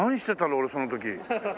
俺その時。